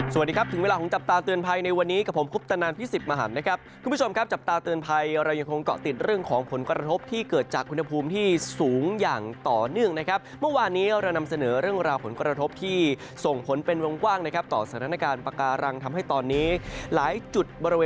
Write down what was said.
สวัสดีครับถึงเวลาของจับตาเตือนภัยในวันนี้กับผมคุปตนันพิสิทธิ์มหันนะครับคุณผู้ชมครับจับตาเตือนภัยเรายังคงเกาะติดเรื่องของผลกระทบที่เกิดจากอุณหภูมิที่สูงอย่างต่อเนื่องนะครับเมื่อวานนี้เรานำเสนอเรื่องราวผลกระทบที่ส่งผลเป็นวงกว้างนะครับต่อสถานการณ์ปากการังทำให้ตอนนี้หลายจุดบ